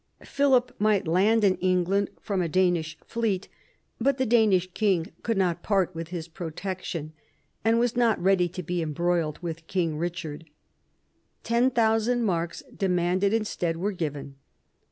Philip might land in England from a Danish fleet, vi PHILIP AND THE PAPACY 161 but the Danish king could not part with his projection, and was not ready to be embroiled with King Eichard. Ten thousand marks, demanded instead, were, given.